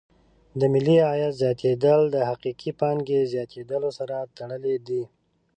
د ملي عاید زیاتېدل د حقیقي پانګې زیاتیدلو سره تړلې دي.